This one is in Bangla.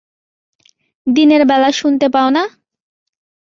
দিনের বেলা শুনতে পাও না?